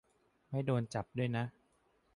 ไม่โดนจับด้วยนะ